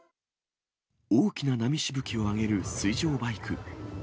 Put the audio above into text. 大きな波しぶきを上げる水上バイク。